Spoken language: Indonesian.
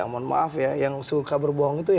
mohon maaf ya yang suka berbohong itu